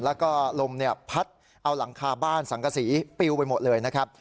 แล้วก็ลมพัดเอาหลังคาบ้านสังกษีปิวไปหมดเลยนะครับ